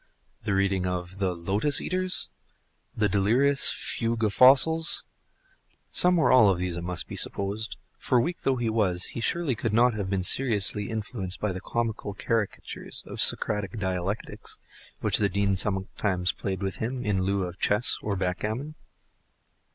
the reading of the "Lotus eaters?" the delirious Fugue of Fossils? Some or all of these it must be supposed; for weak though he was, he surely could not have been seriously influenced by the comical caricatures of Socratic dialectics, which the Dean sometimes played with him in lieu of chess or backgammon.